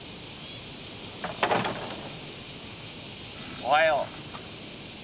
おはよう。